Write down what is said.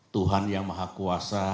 tuhan yang maha kuasa